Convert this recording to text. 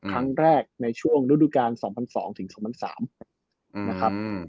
ครั้งแรกในช่วงรุ่นดูการ๒๐๐๒ถึง๒๐๐๓นะครับ